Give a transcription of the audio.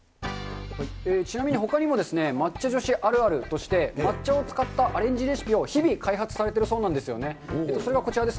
ちなみに、ほかにも抹茶女子あるあるとして、抹茶を使ったアレンジレシピを日々開発されているそうなんですね。